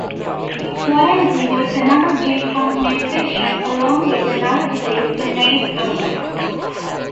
Warren G was another G-funk musician along with the now deceased Nate Dogg.